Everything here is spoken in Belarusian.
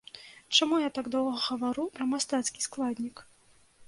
Чаму я так доўга гавару пра мастацкі складнік?